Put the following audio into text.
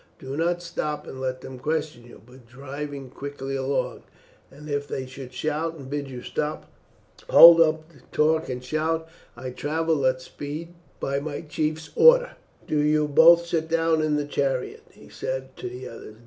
Do not stop and let them question you, but drive quickly along, and if they should shout and bid you stop, hold up the torque and shout, 'I travel at speed by my chief's orders.' "Do you both sit down in the chariot," he said to the others.